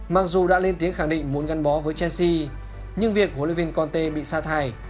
mặc dù đã lên tiếng khẳng định muốn gắn bó với chelsea nhưng việc hlv conte bị sa thải